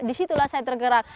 di situlah saya tergerak